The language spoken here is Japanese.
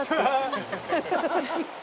ハハハハ。